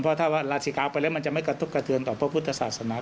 เพราะถ้าว่าลาศิกาไปแล้วมันจะไม่กระทบกระเทือนต่อพระพุทธศาสนา